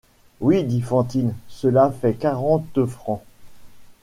Oui, dit Fantine, cela fait quarante francs.